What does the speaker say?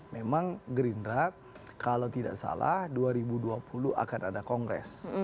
memang gerindra kalau tidak salah dua ribu dua puluh akan ada kongres